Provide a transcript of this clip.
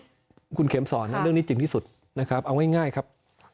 แล้วคุณเขมสอนในเรื่องนี้จริงที่สุดเอาไว้ง่ายครับ